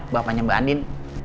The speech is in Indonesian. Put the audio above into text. bapaknya mbak andin